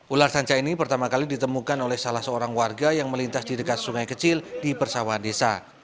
ular sanca ini pertama kali ditemukan oleh salah seorang warga yang melintas di dekat sungai kecil di persawahan desa